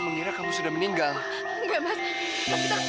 kita harus pergi dari sini aman